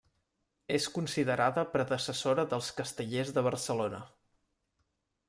És considerada predecessora dels Castellers de Barcelona.